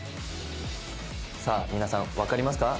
さあ皆さんわかりますか？